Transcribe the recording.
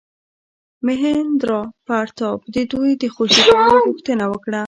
مهیندراپراتاپ د دوی د خوشي کولو غوښتنه وکړه.